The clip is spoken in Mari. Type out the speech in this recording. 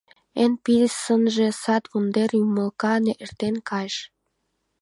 Эн писынже сад вондер ӱмылка эртен кайыш.